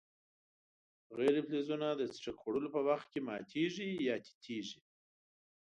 غیر فلزونه د څټک خوړلو په وخت کې ماتیږي یا تیتیږي.